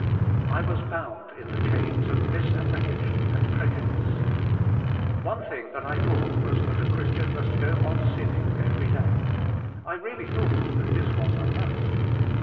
I was bound in the chains of misapprehension and prejudice. One thing that I thought was that a Christian must go on sinning every day. I really thought that this was a must.